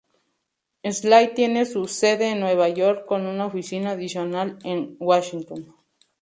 Slate tiene su sede en Nueva York, con una oficina adicional en Washington.